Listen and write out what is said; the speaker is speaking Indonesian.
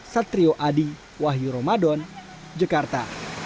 satrio adi wahyu ramadan jakarta